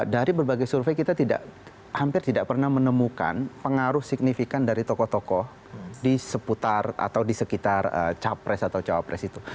dari berbagai survei kita hampir tidak pernah menemukan pengaruh signifikan dari tokoh tokoh di seputar atau di sekitar capres atau cawapres itu